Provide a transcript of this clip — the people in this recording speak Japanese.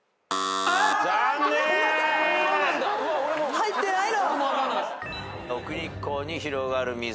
入ってないの？